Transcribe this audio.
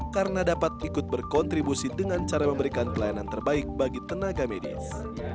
karena dapat ikut berkontribusi dengan cara memberikan pelayanan terbaik bagi tenaga medis